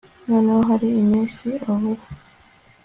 noneho hari iminsi abura